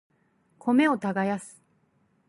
米を耕す